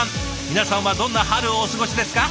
皆さんはどんな春をお過ごしですか？